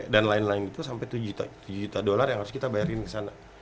dan lain lain gitu sampai tujuh juta dolar yang harus kita bayarin ke sana